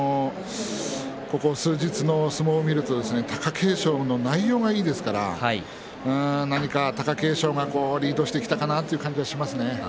ここ数日の相撲を見ると貴景勝の内容がいいですから何か貴景勝がリードしてきたかなという感じがしますね。